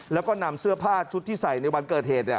แล้วก็นำเสื้อผ้าชุดที่ใส่ในวันเกิดเหตุ